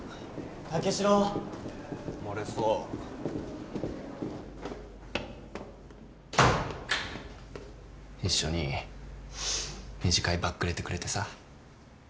武四郎漏れそう一緒に２次会ばっくれてくれてさ。